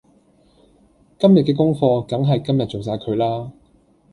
今日嘅功課梗係今日做晒佢啦